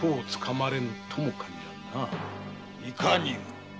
いかにも。